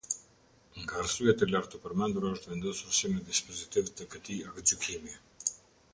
Nga arsyet e lartë-përmendura është vendosur si në dispozitiv të këtij aktgjykimi.